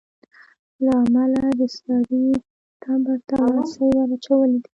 له امله د سړي تبر ته لاستى وراچولى دى.